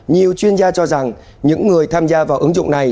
nhiều chuyên gia cho rằng những người tham gia vào ứng dụng này